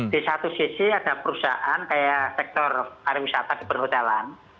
di satu sisi ada perusahaan kayak sektor pariwisata di perhotelan